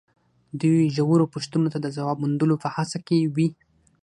دوی ژورو پوښتنو ته د ځواب موندلو په هڅه کې وي.